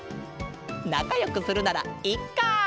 なかよくするならいっか！